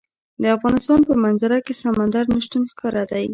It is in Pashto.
د افغانستان په منظره کې سمندر نه شتون ښکاره ده.